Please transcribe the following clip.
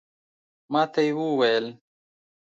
ماته یې وویل